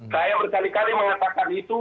saya berkali kali mengatakan itu